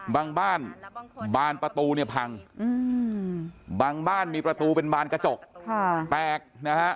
บ้านบานประตูเนี่ยพังบางบ้านมีประตูเป็นบานกระจกแตกนะฮะ